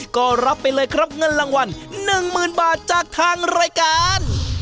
ก็รับไปเลยครับเงินรางวัลหนึ่งหมื่นบาทจากทางรายการ